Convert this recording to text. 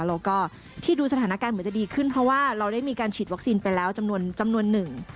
แล้วก็ที่ดูสถานการณ์เหมือนจะดีขึ้นเพราะว่าเราได้มีการฉีดวัคซีนไปแล้วจำนวนจำนวนหนึ่ง